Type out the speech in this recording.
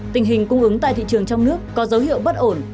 tình hình cung ứng tại thị trường trong nước có dấu hiệu bất ổn